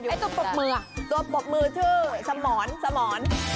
ไอ้ตัวปกมือตัวปกมือชื่อสมรสมร